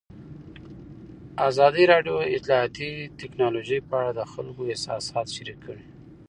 ازادي راډیو د اطلاعاتی تکنالوژي په اړه د خلکو احساسات شریک کړي.